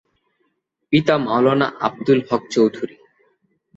পিতা মাওলানা আবদুল হক চৌধুরী।